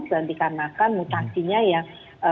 dan dikarenakan mutasinya yang